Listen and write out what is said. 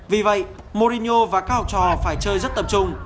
vì vậy morino và các học trò phải chơi rất tập trung